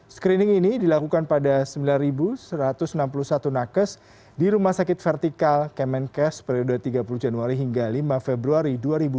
screening ini dilakukan pada sembilan satu ratus enam puluh satu nakes di rumah sakit vertikal kemenkes periode tiga puluh januari hingga lima februari dua ribu dua puluh